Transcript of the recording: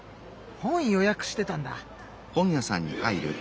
本予約してたんだ。